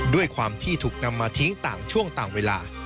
ด้วยความที่ถูกนำมาทิ้งต่างช่วงต่างเวลา